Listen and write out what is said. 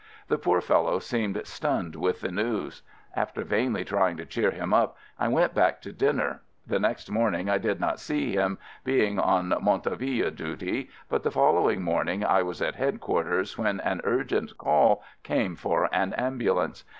The poor fellow seemed stunned with the news. After vainly try ing to cheer him up, I went back to din ner. The next morning I did not see him, being on Montauville duty, but the fol lowing morning I was at headquarters 118 AMERICAN AMBULANCE when an urgent call came for an ambu lance.